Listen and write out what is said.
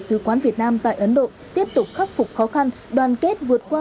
sứ quán việt nam tại ấn độ tiếp tục khắc phục khó khăn đoàn kết vượt qua